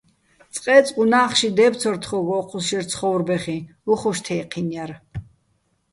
წყე́წყ უ̂ნა́ხში დე́ფცორ თხო́გო̆ ო́ჴუს შერ ცხო́ვრბეხიჼ, უ̂ხუშ თე́ჴინო̆ ჲარ.